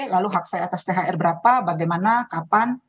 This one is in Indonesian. lalu hak saya atas thr berapa bagaimana kapan